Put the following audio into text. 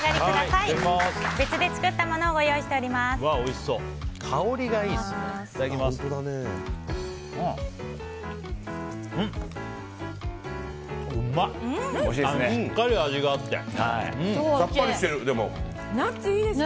いただきます。